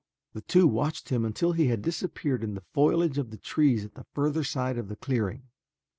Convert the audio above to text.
The two watched him until he had disappeared in the foliage of the trees at the further side of the clearing.